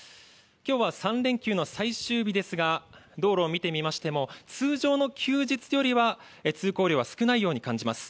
きょうは３連休の最終日ですが、道路を見てみましても、通常の休日よりは通行量は少ないように感じます。